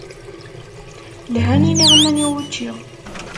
Lhan yiniɣman i wučči.